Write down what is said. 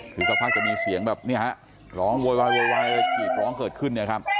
คือสักพักจนมีเสียงแบบร้องโว้ยร้องเกิดขึ้น